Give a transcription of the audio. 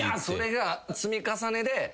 それが積み重ねで。